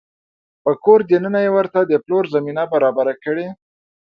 په کور دننه يې ورته د پلور زمینه برابره کړې